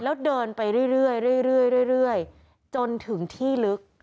แล้วเดินไปเรื่อยเรื่อยเรื่อยเรื่อยเรื่อยจนถึงที่ลึก